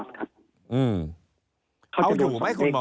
เอาอยู่ไหมคุณหมอ